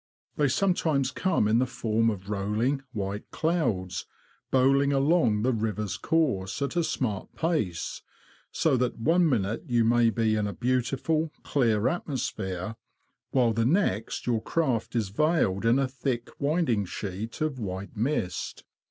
They sometimes come in the form of rolling, white clouds, bowling along the river's course at a smart pace, so that one minute you may be in a beautiful, clear atmosphere, while the next your craft is veiled in a thick winding sheet of white mist.